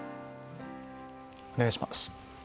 お願いします。